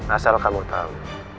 asal kamu tahu